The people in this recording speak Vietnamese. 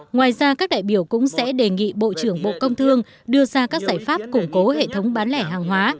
ngoài ra các đại biểu cũng sẽ đề nghị bộ trưởng bộ công thương đưa ra các giải pháp củng cố hệ thống bán lẻ hàng hóa